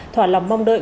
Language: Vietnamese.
thỏa lòng mong đợi